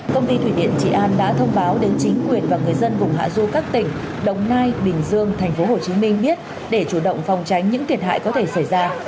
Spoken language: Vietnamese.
công ty thủy điện trị an đã thông báo đến chính quyền và người dân vùng hạ dụng các tỉnh đồng nai bình dương thành phố hồ chí minh biết để chủ động phòng tránh những thiệt hại có thể xảy ra